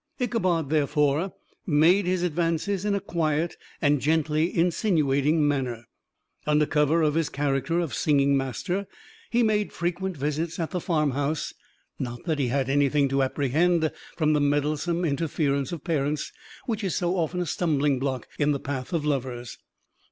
Ichabod, therefore, made his advances in a quiet and gently insinuating manner. Under cover of his character of singing master, he made frequent visits at the farmhouse; not that he had anything to apprehend from the meddlesome interference of parents, which is so often a stumbling block in the path of lovers.